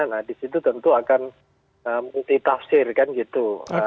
nah di situ tentu akan multitafsir kan gitu